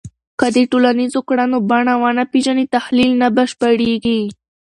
که د ټولنیزو کړنو بڼه ونه پېژنې، تحلیل نه بشپړېږي